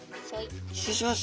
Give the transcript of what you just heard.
失礼します。